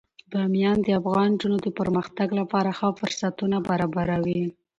بامیان د افغان نجونو د پرمختګ لپاره ښه فرصتونه برابروي.